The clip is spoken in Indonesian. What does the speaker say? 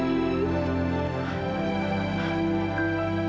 pero jangan daah